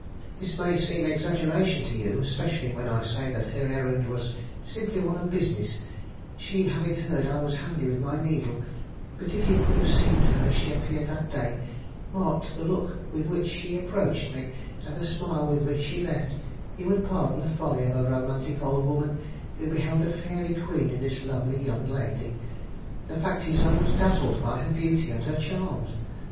This may seem exaggeration to you, especially when I say that her errand was simply one of business, she having heard I was handy with my needle; but if you could have seen her as she appeared that day, marked the look with which she approached me, and the smile with which she left, you would pardon the folly of a romantic old woman, who beheld a fairy queen in this lovely young lady. The fact is, I was dazzled by her beauty and her charms.